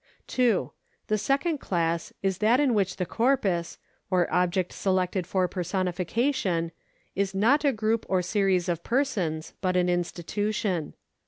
2. The second class is that in which the corjpus, or object selected for personification, is not a group or series of persons, but an institution.